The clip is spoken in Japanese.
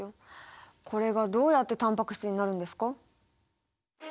これがどうやってタンパク質になるんですか？